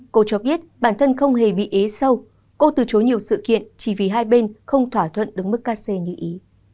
cô cho biết bản thân không hề bị ế sâu cô từ chối nhiều sự kiện chỉ vì hai bên không thỏa thuận đứng mức kc như ý